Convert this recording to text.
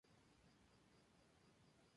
El rey la eligió al verla en este retrato.